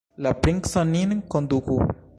La princo nin konduku!